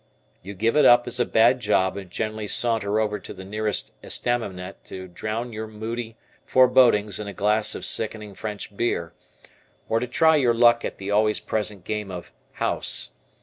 You give it up as a bad job and generally saunter over to the nearest estaminet to drown your moody forebodings in a glass of sickening French beer, or to try your luck at the always present game of "House."